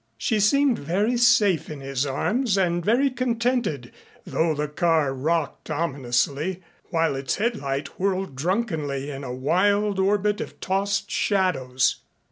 She seemed very safe in his arms and very contented though the car rocked ominously, while its headlight whirled drunkenly in a wild orbit of tossed shadows.